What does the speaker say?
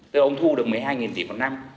tức là ông thu được một mươi hai tỷ một năm